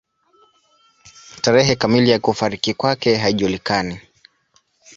Tarehe kamili ya kufariki kwake haijulikani.